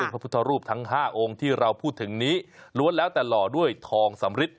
พระพุทธรูปทั้ง๕องค์ที่เราพูดถึงนี้ล้วนแล้วแต่หล่อด้วยทองสำริท